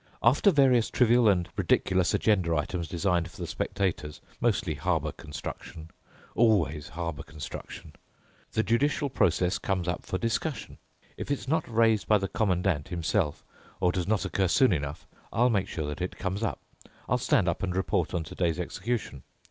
After various trivial and ridiculous agenda items designed for the spectators—mostly harbour construction—always harbour construction—the judicial process comes up for discussion. If it's not raised by the Commandant himself or does not occur soon enough, I'll make sure that it comes up. I'll stand up and report on today's execution.